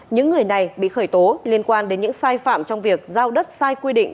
những người này bị khởi tố liên quan đến những sai phạm trong việc giao đất sai quy định